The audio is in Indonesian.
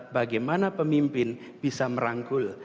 bagaimana pemimpin bisa merangkul